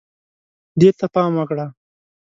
دې ته پام وکړه